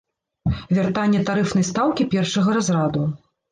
Вяртанне тарыфнай стаўкі першага разраду.